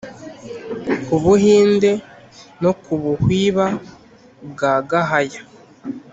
ku buhinde no ku buhwiba bwa gahaya,